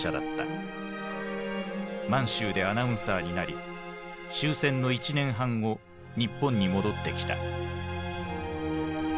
満州でアナウンサーになり終戦の１年半後日本に戻ってきた。